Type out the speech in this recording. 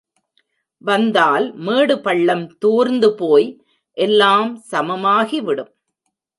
வந்தால் மேடு பள்ளம் தூர்ந்து போய் எல்லாம் சமமாகிவிடும்.